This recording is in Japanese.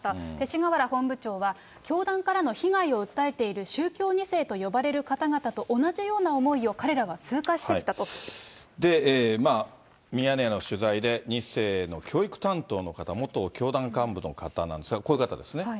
勅使河原本部長は、教団からの被害を訴えている宗教２世と呼ばれる方々と同じようなで、ミヤネ屋の取材で、２世の教育担当の方、元教団幹部の方なんですが、こういう方ですね。